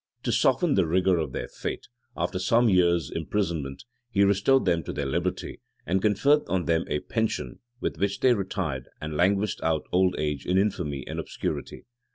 To soften the rigor of their fate, after some years' imprisonment, he restored them to their liberty, and conferred on them a pension, with which they retired, and languished out old age in infamy and obscurity.